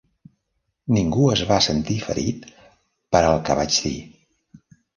Ningú es va sentir ferit per el que vaig dir.